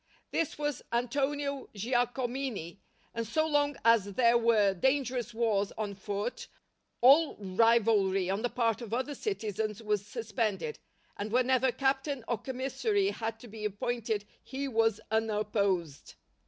This was Antonio Giacomini, and so long as there were dangerous wars on foot, all rivalry on the part of other citizens was suspended; and whenever a captain or commissary had to be appointed he was unopposed.